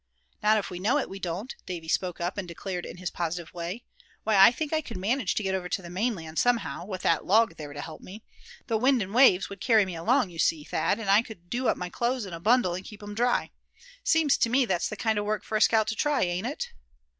"Not if we know it, we won't," Davy spoke up, and declared in his positive way. "Why, I think I could manage to get over to the mainland somehow, with that log there to help me. The wind and waves would carry me along, you see, Thad; and I could do my clothes up in a bundle and keep 'em dry. Seems to me that's the kind of work for a scout to try, ain't it?"